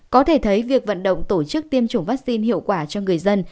có thể thấy việc vận động tổ chức tiêm chủng vaccine hiệu quả cho người dân